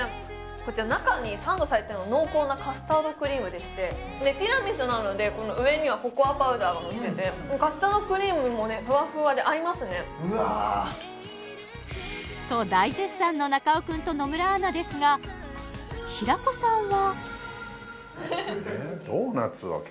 こちら中にサンドされているのは濃厚なカスタードクリームでしてティラミスなので上にはココアパウダーがのっててカスタードクリームもねふわふわで合いますねうわと大絶賛の中尾くんと野村アナですが平子さんは？